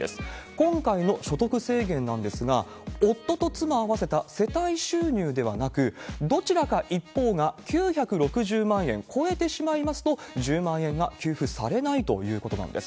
今回の所得制限なんですが、夫と妻合わせた世帯収入ではなく、どちらか一方が９６０万円超えてしまいますと、１０万円が給付されないということなんです。